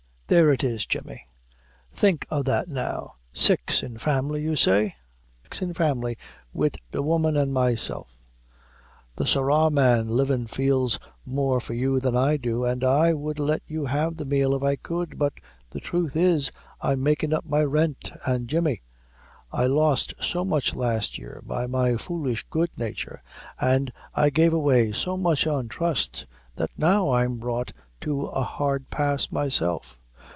There it is, Jemmy think o' that now. Six in family, you say?" "Six in family, wid the woman an' myself." "The sorra man livin' feels more for you than I do, an' I would let you have the meal if I could; but the truth is, I'm makin' up my rent an' Jemmy, I lost so much last year by my foolish good nature, an' I gave away so much on trust, that now I'm brought to a hard pass myself.